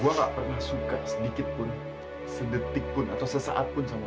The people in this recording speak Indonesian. gue gak pernah suka sedikit pun sedetik pun atau sesaat pun sama